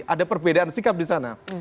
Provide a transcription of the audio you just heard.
ada perbedaan sikap disana